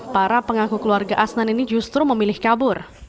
para pengaku keluarga asnan ini justru memilih kabur